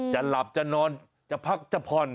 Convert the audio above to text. จะหลับจะนอนจะพักจะผ่อน